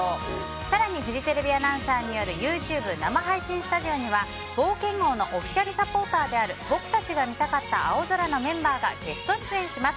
更にフジテレビアナウンサーによるＹｏｕＴｕｂｅ生配信スタジオには冒険王のオフィシャルサポーターである僕が見たかった青空のメンバーがゲスト出演します。